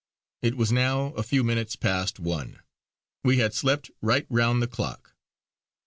It was now a few minutes past one. We had slept right round the clock.